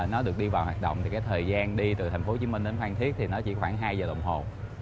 nó được đi vào hoạt động thì cái thời gian đi từ tp hcm đến phan thiết thì nó chỉ khoảng hai giờ đồng hồ